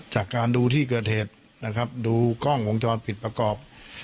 จากการดูที่เกิดเหตุนะครับดูกล้องวงจรปิดประกอบ